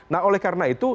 nah oleh karena itu